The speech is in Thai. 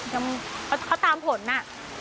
ยังเขาตามผลน่ะ